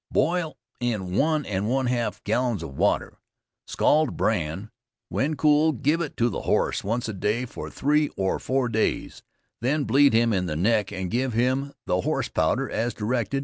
Boil in 1 1/2 gallons of water; scald bran; when cool give it to the horse once a day for 3 or 4 days. Then bleed him in the neck and give him the horse powder as directed.